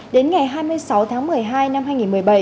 đến ngày hai mươi sáu tháng một mươi hai năm hai nghìn một mươi bảy